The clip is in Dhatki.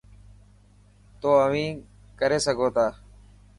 تو اوهين ڪري سگهو تا.